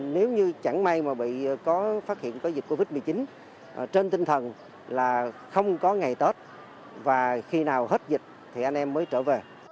nếu như chẳng may mà bị có phát hiện có dịch covid một mươi chín trên tinh thần là không có ngày tết và khi nào hết dịch thì anh em mới trở về